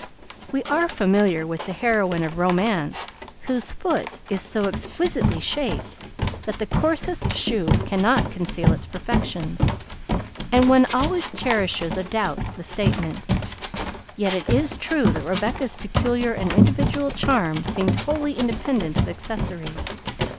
We are familiar with the heroine of romance whose foot is so exquisitely shaped that the coarsest shoe cannot conceal its perfections, and one always cherishes a doubt of the statement; yet it is true that Rebecca's peculiar and individual charm seemed wholly independent of accessories.